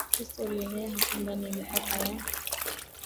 Ukristo ulienea hasa ndani ya mipaka ya